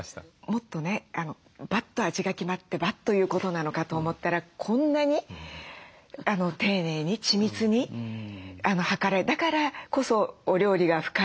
もっとねバッと味が決まってバッということなのかと思ったらこんなに丁寧に緻密に量られだからこそお料理が深い。